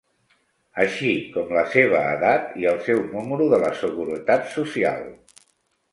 Així com la seva edat i el seu número de la Seguretat Social.